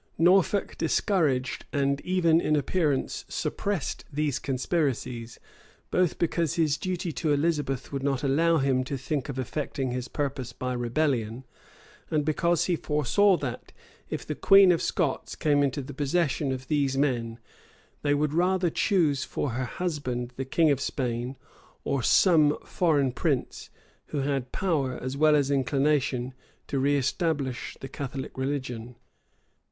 [] Norfolk discouraged, and even, in appearance, suppressed these conspiracies; both because his duty to Elizabeth would not allow him to think of effecting his purpose by rebellion, and because he foresaw that, if the queen of Scots came into the possession of these men, they would rather choose for her husband the king of Spain, or some foreign prince, who had power, as well as inclination, to reestablish the Catholic religion.